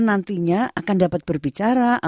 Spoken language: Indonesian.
nantinya akan dapat berbicara